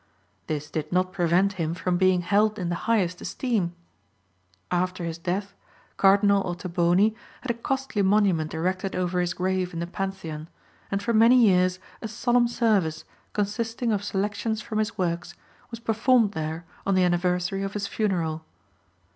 This did not prevent him from being held in the highest esteem. After his death Cardinal Ottoboni had a costly monument erected over his grave in the Pantheon, and for many years a solemn service, consisting of selections from his works, was performed there on the anniversary of his funeral.